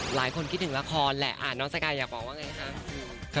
หลายคนคิดถึงละครแหละน้องสกายอยากบอกว่าไงคะ